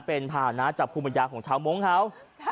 เป็นภาวนาจภูมิยาของชาวโม้งเขา